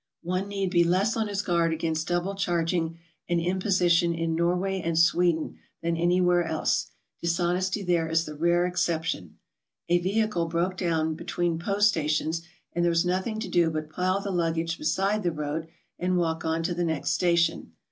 One need be less on his guard against double charging and imposition in Norway and Sweden than anywhere else. Dishonesty there is the rare exception. A vehicle broke down between post stations and there was nothing to do but pile the luggage beside the road and walk on to the next station.